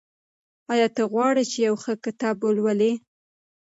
آیا ته غواړې چې یو ښه کتاب ولولې؟